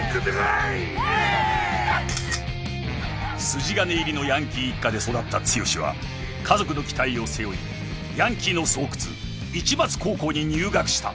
［筋金入りのヤンキー一家で育った剛は家族の期待を背負いヤンキーの巣窟市松高校に入学した］